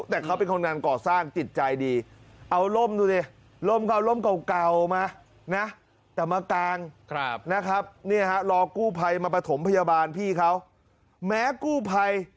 แต่เขาเป็นคนงานก่อสร้างจิตใจดี